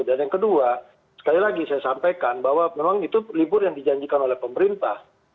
dan yang kedua sekali lagi saya sampaikan bahwa memang itu libur yang dijanjikan oleh pemerintah